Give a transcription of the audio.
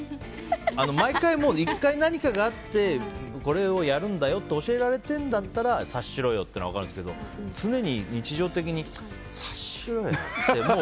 毎回、１回何かがあってこれをやるんだよって教えられているんだったら察しろよっていうのは分かるんですけど常に、日常的にチッ、察しろよって。